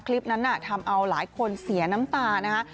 คลิปนั้นทำเอาหลายคนเสียน้ำตานะคะ